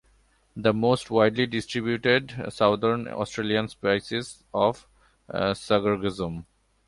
The most widely distributed southern Australian species of Sargassum.